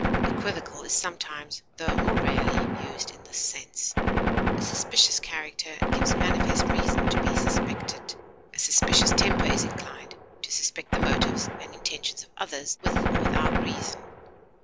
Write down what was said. Equivocal is sometimes, tho more rarely, used in this sense. A suspicious character gives manifest reason to be suspected; a suspicious temper is inclined to suspect the motives and intentions of others, with or without reason.